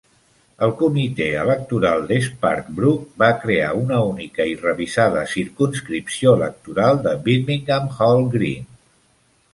El comitè electoral de Sparkbrook va crear una única i revisada circumscripció electoral de Birmingham Hall Green.